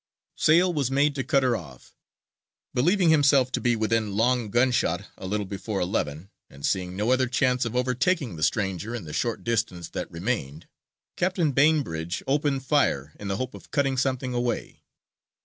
Sail was made to cut her off. Believing himself to be within long gun shot a little before eleven, and seeing no other chance of overtaking the stranger in the short distance that remained, Captain Bainbridge opened fire in the hope of cutting something away.